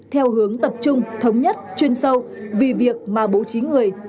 theo hướng tập trung thống nhất chuyên sâu vì việc mà bố trí người